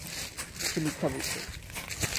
সে মিথ্যা বলছে।